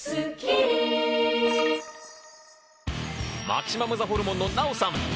マキシマムザホルモンのナヲさん。